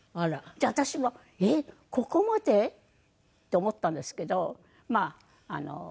で私もえっここまで？って思ったんですけどまあ